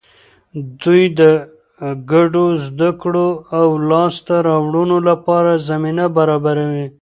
دوی د ګډو زده کړو او لاسته راوړنو لپاره زمینه برابروي.